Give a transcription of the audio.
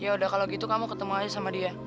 yaudah kalo gitu kamu ketemu aja sama dia